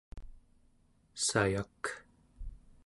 sayak